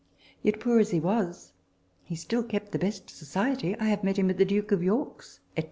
Yet, poor as he was, he still kept the best society : I have met him at the Duke of York's, &c.